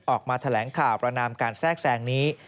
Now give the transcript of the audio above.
ออกมาแถลงข่าวประนามการแทรกแทรงนี้